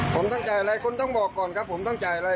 ผมต้องจ่ายอะไรคุณต้องบอกก่อนครับผมต้องจ่ายอะไร